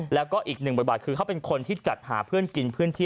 แล้วก็อีกหนึ่งบทบาทคือเขาเป็นคนที่จัดหาเพื่อนกินพื้นที่